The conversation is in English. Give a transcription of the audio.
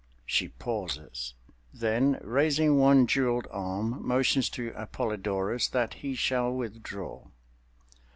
She pauses; then raising one jeweled arm motions to Appolidorus that he shall withdraw.